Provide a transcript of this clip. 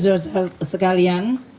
sudah sudah sekalian